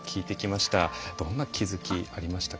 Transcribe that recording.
どんな気付きありましたか。